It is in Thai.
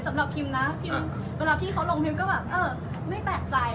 สำหรับพิมนะพิมเวลาพี่เขาลงพิมก็แบบเออไม่แปลกใจ